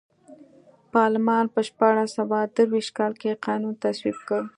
پارلمان په شپاړس سوه درویشت کال کې قانون تصویب کړ.